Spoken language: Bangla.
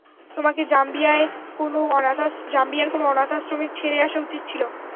তোমাকে জাম্বিয়ার কোনো অনাথাশ্রমে ছেড়ে আসা উচিত ছিলো।